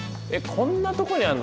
こんなとこにあるの？